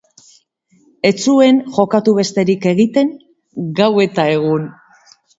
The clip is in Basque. Ez zuen jokatu besterik egiten, gau eta egun.